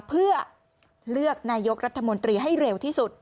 เพื่อเลือกนายกรัฐมนตรีให้เร็วที่สุด